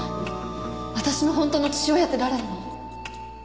私の本当の父親って誰なの？